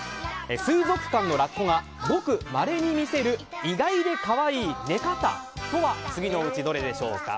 水族館のラッコがごくまれに見せる意外で可愛い寝方とは次のうちどれでしょうか。